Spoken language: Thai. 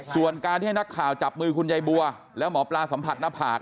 ส่วนการที่ให้นักข่าวจับมือคุณยายบัวแล้วหมอปลาสัมผัสหน้าผาก